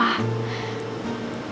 dari kelompok lain